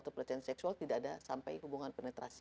tidak ada sampai hubungan penetrasi